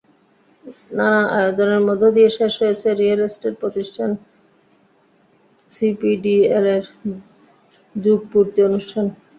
নানা আয়োজনের মধ্য দিয়ে শেষ হয়েছে রিয়েল এস্টেট প্রতিষ্ঠান সিপিডিএলের যুগপূর্তি অনুষ্ঠান।